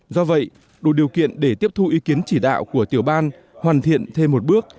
do vậy đủ điều kiện để tiếp thu ý kiến chỉ đạo của tiểu ban hoàn thiện thêm một bước